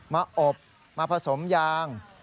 มาอบมาผสมยาง